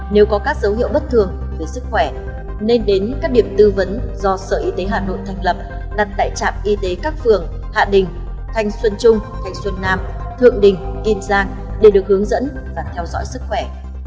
nếu có các dấu hiệu bất thường về sức khỏe nên đến các điểm tư vấn do sở y tế hà nội thành lập đặt tại trạm y tế các phường hạ đình thành xuân trung thành xuân nam để được hướng dẫn và theo dõi sức khỏe